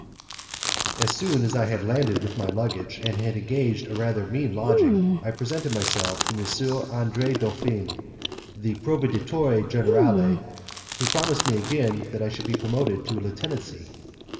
As soon as I had landed with my luggage, and had engaged a rather mean lodging, I presented myself to M. Andre Dolfin, the proveditore generale, who promised me again that I should soon be promoted to a lieutenancy.